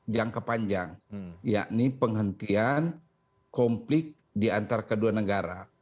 jangka panjang yakni penghentian konflik di antara kedua negara